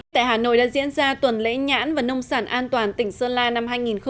tại hà nội đã diễn ra tuần lễ nhãn và nông sản an toàn tỉnh sơn la năm hai nghìn một mươi chín